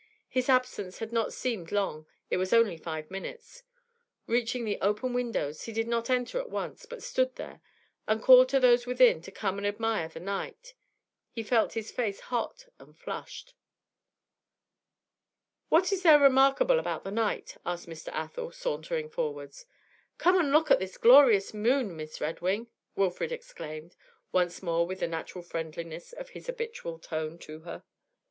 His absence had not seemed long: it was only of five minutes. Reaching the open windows, he did not enter at once, but stood there and called to those within to come and admire the night; he felt his face hot and flushed. 'What is there remarkable about the night?' asked Mr. Athel, sauntering forwards. 'Come and look at this glorious moon, Miss Redwing,' Wilfrid exclaimed, once more with the natural friendliness of his habitual tone to her.